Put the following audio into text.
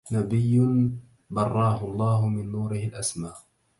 نبي براه الله من نوره الأسمى